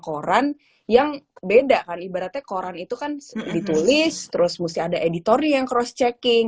koran yang beda kan ibaratnya koran itu kan ditulis terus mesti ada editornya yang cross checking